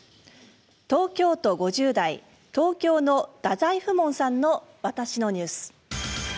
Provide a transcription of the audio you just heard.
東京都５０代東京の大宰府もんさんの「わたしのニュース」。